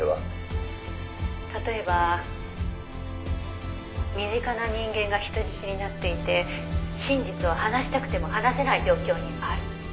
「例えば身近な人間が人質になっていて真実を話したくても話せない状況にある」